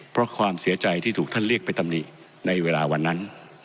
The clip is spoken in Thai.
เพราะความเสียใจที่ถูกท่านเรียกไปตำหนิในเวลาวันนั้น